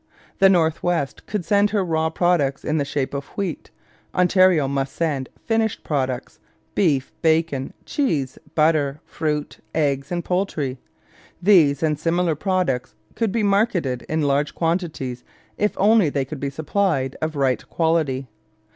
The North West could send her raw products in the shape of wheat; Ontario must send finished products beef, bacon, cheese, butter, fruit, eggs, and poultry these and similar products could be marketed in large quantities if only they could be supplied of right quality.